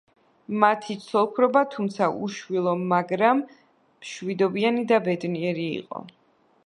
მათი ცოლ-ქმრობა, თუმცა უშვილო მაგრამ მშვიდობიანი და ბედნიერი იყო.